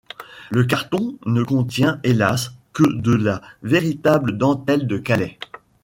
Le carton ne contient hélas que de la Véritable Dentelle de Calais.